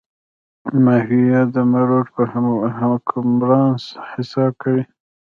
ماهویه د مرو پر حکمران حساب کوي.